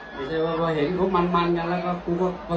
ไม่ใช่ว่าเห็นเขามันกันแล้วก็